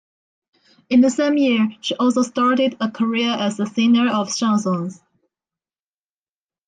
In the same year, she also started a career as a singer of chansons.